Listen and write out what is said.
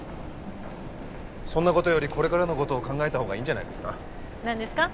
そんなことよりこれからのことを考えた方がいいんじゃないですか？